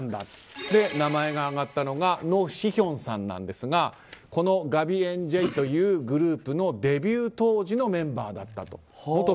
そして、名前が挙がったのがノ・シヒョンさんなんですがこのＧａｖｙＮ．Ｊというグループのデビュー当時のメンバー。